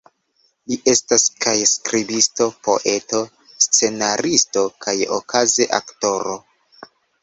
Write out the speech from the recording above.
Li estas kaj skribisto, poeto, scenaristo kaj okaze aktoro.